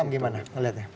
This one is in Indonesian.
sam gimana ngeliat ya